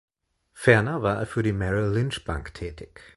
Ferner war er für die Merrill Lynch Bank tätig.